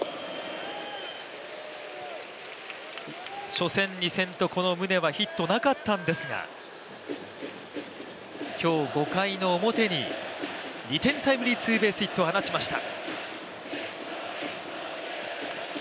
初戦、２戦とこの宗はヒットなかったんですが、今日、５回の表に２点タイムリーツーベースヒットを放ちました。